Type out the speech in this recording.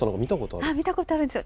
見たことあるんですよ。